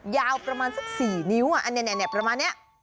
ยาวประมาณสัก๔นิ้วอันนี้ประมาณนี้